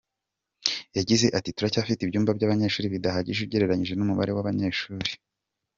Yagize ati “Turacyafite ibyumba by’amashuri bidahagije ugereranije n’umubare w’abanyeshuri.